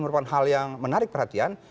merupakan hal yang menarik perhatian